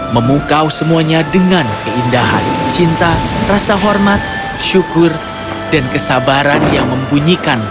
memukau semuanya dengan keindahan cinta rasa hormat syukur dan kesabaran yang membunyikan